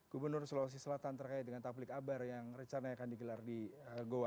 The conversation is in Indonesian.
gubernur sulawesi selatan terkait dengan taplik abar yang rencana akan digelar di goa